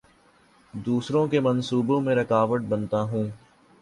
دوسروں کے منصوبوں میں رکاوٹ بنتا ہوں